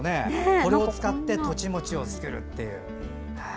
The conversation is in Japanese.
これを使ってとち餅を作るという。